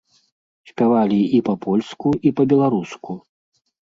Спявалі і па-польску, і па-беларуску.